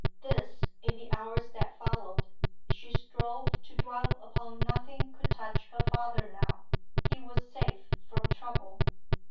This, in the hours that followed, she strove to dwell upon nothing could touch her father now, he was safe from trouble.